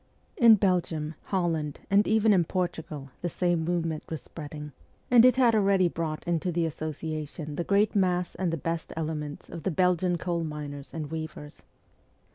In Belgium, Holland, and even in Portugal the 68 MEMOIRS OF A REVOLUTIONIST same movement was spreading, and it had already brought into the Association the great mass and the best elements of the Belgian coal miners and weavers.